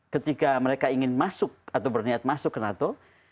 dua ribu delapan ketika mereka ingin masuk atau berniat masuk ke nato